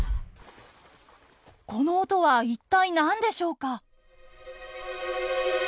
この音は一体何でしょうか？